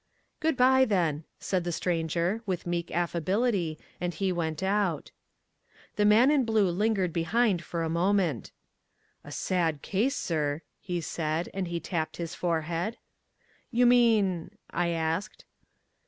"Good bye, then," said the Stranger, with meek affability, and he went out. The man in blue lingered behind for a moment. "A sad case, sir," he said, and he tapped his forehead. "You mean " I asked.